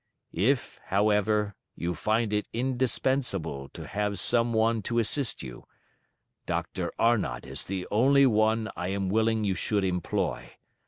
If, however, you find it indispensable to have some one to assist you, Dr. Arnott is the only one I am willing you should employ.